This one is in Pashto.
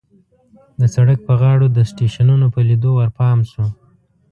د سړک په غاړو د سټېشنونو په لیدو ورپام شو.